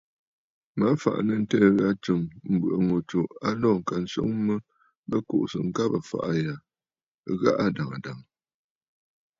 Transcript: Mə fàʼà nɨ̂ ǹtɨɨ̀ ghâ tsɨm, mbɨ̀ʼɨ̀ ŋù tsù a lǒ ŋka swoŋ mə bɨ kuʼusə ŋkabə̀ ɨfàʼà ghaa adàŋə̀ dàŋə̀.